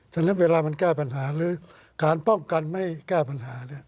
ฉะนั้นเวลามันแก้ปัญหาหรือการป้องกันไม่แก้ปัญหา